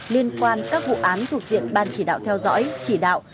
liên quan các vụ án thuộc diện ban chỉ đạo theo dõi chỉ đạo